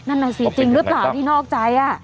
นั่นน่ะสิจริงหรือเปล่าที่นอกใจ